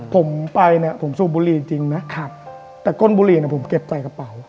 ผมไปผมสู้บุรีจริงนะแต่ก้นบุรีผมเก็บใส่กระเป๋า